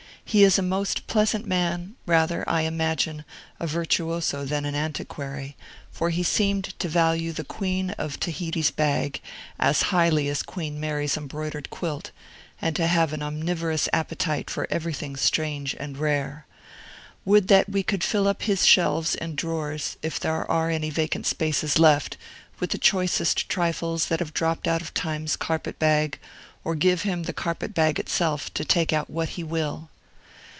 He is a most pleasant man; rather, I imagine, a virtuoso than an antiquary; for he seemed to value the Queen of Otaheite's bag as highly as Queen Mary's embroidered quilt, and to have an omnivorous appetite for everything strange and rare. Would that we could fill up his shelves and drawers (if there are any vacant spaces left) with the choicest trifles that have dropped out of Time's carpet bag, or give him the carpet bag itself, to take out what he will!